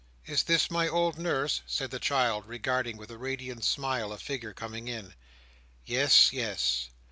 Is this my old nurse?" said the child, regarding with a radiant smile, a figure coming in. Yes, yes.